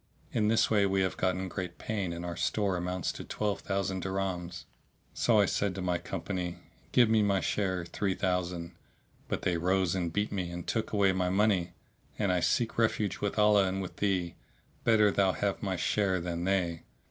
In this way we have gotten great gain and our store amounts to twelve thousand dirhams. Said I to my company, 'Give me my share, three thousand;' but they rose and beat me and took away my money, and I seek refuge with Allah and with thee; better thou have my share than they.